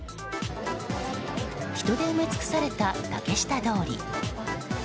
人で埋め尽くされた竹下通り。